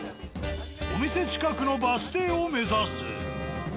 お店近くのバス停を目指す。